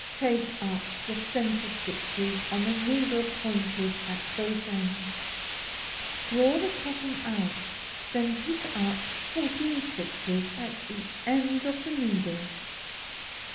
Take up the centre stitches on a needle pointed at both ends, draw the cotton out; then pick up fourteen stitches at each end of the needle.